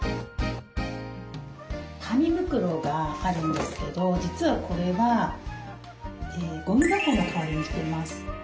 紙袋があるんですけど実はこれはゴミ箱の代わりにしてます。